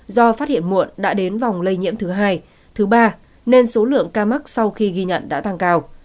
do phát hiện muộn đã đến vòng lây nhiễm thứ hai thứ ba nên số lượng ca mắc sau khi ghi nhận đã tăng cao